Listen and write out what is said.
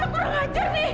kurang ngajar nih